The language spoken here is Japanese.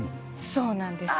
そうなんです。